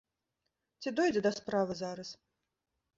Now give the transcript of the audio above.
Ці дойдзе да справы зараз?